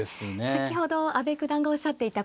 先ほど阿部九段がおっしゃっていた